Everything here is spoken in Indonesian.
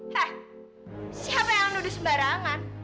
hah siapa yang nuduh sembarangan